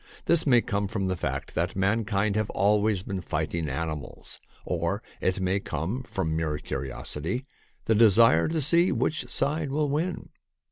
This may come from the fact that mankind have always been fighting animals, or it may come from mere curiosity — the desire to see which side will win.